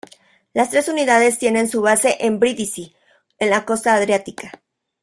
Las tres unidades tienen su base en Brindisi, en la costa adriática.